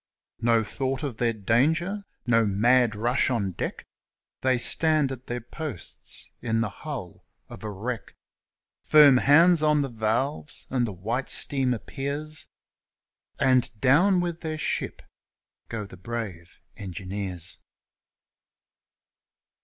No thought of their danger! No mad rush on deck! They stand at their posts in the hull of a wreck, Firm hands on the valves; and the white steam appears; And down with their ship go the brave engineers!